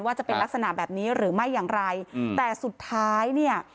จะเป็นลักษณะแบบนี้หรือไม่อย่างไรอืมแต่สุดท้ายเนี่ย